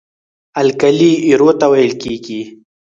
القلي ایرو ته ویل کیږي.